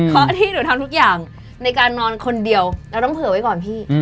เพราะที่หนูทำทุกอย่างในการนอนคนเดียวเราต้องเผื่อไว้ก่อนพี่